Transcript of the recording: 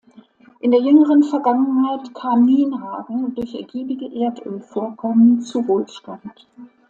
In der jüngeren Vergangenheit kam Nienhagen durch ergiebige Erdölvorkommen zu Wohlstand.